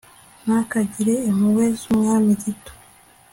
ntakagire impuhwe z,umwami gito